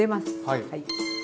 はい。